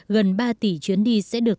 gần ba tỷ chuyến đi sẽ được